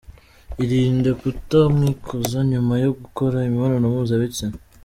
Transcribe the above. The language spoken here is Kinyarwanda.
Irinde kuta mwikoza nyuma yo gukora imibonano mpuza bitsina.